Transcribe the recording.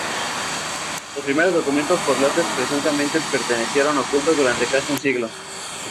Los primeros documentos por lotes presuntamente permanecieron ocultos durante casi un siglo.